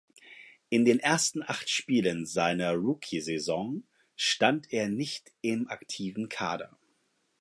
In den ersten acht Spielen seiner Rookiesaison stand er nicht im aktiven Kader.